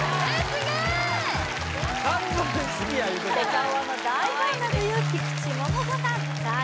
すごーいセカオワの大ファンだという菊池桃子さんさあ